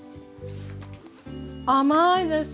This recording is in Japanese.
甘いです。